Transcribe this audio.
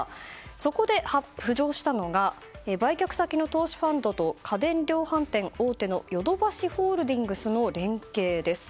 そこで浮上したのが売却先の投資ファンドと家電量販店大手のヨドバシホールディングスの連携です。